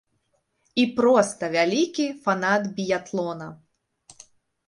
І проста вялікі фанат біятлона.